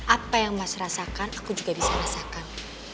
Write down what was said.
apa yang mas rasakan aku juga bisa rasakan